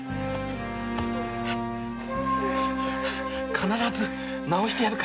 必ず治してやるからな。